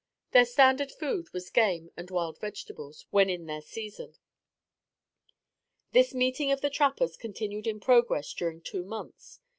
Their standard food was game and wild vegetables when in their season. This meeting of the trappers continued in progress during two months.